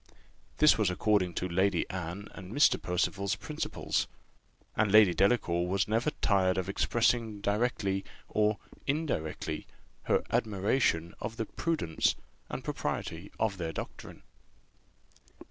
This was according to Lady Anne and Mr. Percival's principles; and Lady Delacour was never tired of expressing directly or indirectly her admiration of the prudence and propriety of their doctrine.